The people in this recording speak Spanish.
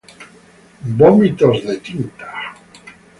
Vómitos de tinta.